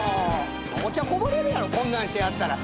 お茶こぼれるやろこんなんしてやったら。